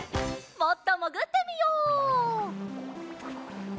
もっともぐってみよう。